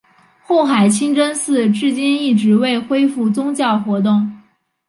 后海清真寺至今一直未恢复宗教活动。